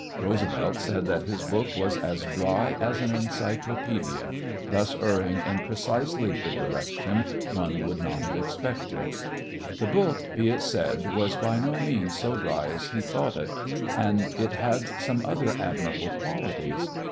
Roosevelt said that his book was as dry as an encyclopedia, thus erring in precisely the direction one would not have expected. The book, be it said, was by no means so dry as he thought it, and it had some other admirable qualities.